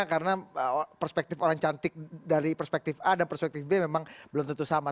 karena perspektif orang cantik dari perspektif a dan perspektif b memang belum tentu sama